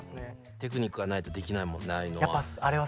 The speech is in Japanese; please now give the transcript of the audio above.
テクニックがないとできないもんねああいうのは。